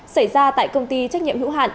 xảy ra tại công ty trách nhiệm hữu hạn